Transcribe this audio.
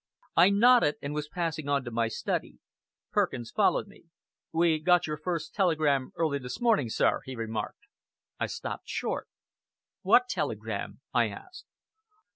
I nodded, and was passing on to my study. Perkins followed me. "We got your first telegram early this morning, sir!" he remarked. I stopped short. "What telegram?" I asked.